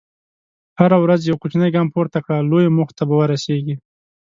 هره ورځ یو کوچنی ګام پورته کړه، لویو موخو ته به ورسېږې.